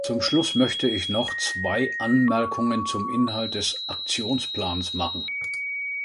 Zum Schluss möchte ich noch zwei Anmerkungen zum Inhalt des Aktionsplans machen.